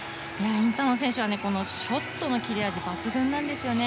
インタノン選手はショットの切れ味が抜群なんですよね。